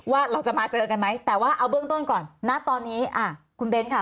ว่าเราจะมาเจอกันไหมแต่ว่าเอาเบื้องต้นก่อนณตอนนี้คุณเบ้นค่ะ